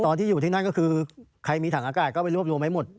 ตอนที่อยู่ที่นั่นก็คือใครมีถังอากาศก็ไปรวบรวมไว้หมด